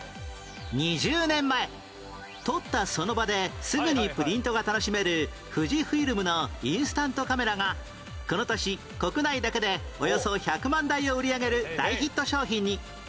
２０年前撮ったその場ですぐにプリントが楽しめる富士フイルムのインスタントカメラがこの年国内だけでおよそ１００万台を売り上げる大ヒット商品に